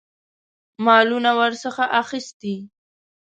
مالونه ورڅخه اخیستي.